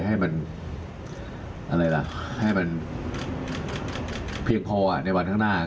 กุมบันอย่างไรให้มันเพียงพอในวันข้างหน้า